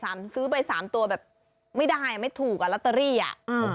ซื้อไปสามตัวแบบไม่ได้อ่ะไม่ถูกอ่ะลอตเตอรี่อ่ะอืม